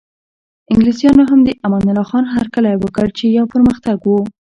انګلیسانو هم د امان الله خان هرکلی وکړ چې یو پرمختګ و.